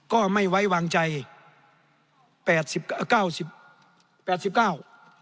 ก็ไม่ไว้วางใจแปดสิบเก้าสิบแปดสิบเก้า